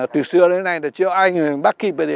từ xưa đến nay chưa ai bắt kịp